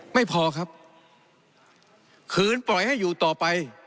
ไม่พอครับคืนปล่อยให้อยู่ต่อไป